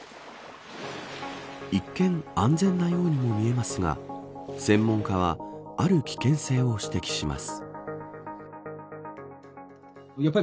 一見、安全なようにも見えますが専門家は、ある危険性を指摘します。